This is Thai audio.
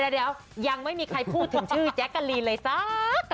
เดี๋ยวยังไม่มีใครพูดถึงชื่อแจ๊กกะลีนเลยจ้า